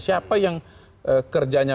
siapa yang kerjanya